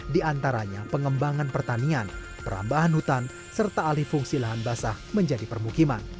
di antaranya pengembangan pertanian perambahan hutan serta alih fungsi lahan basah menjadi permukiman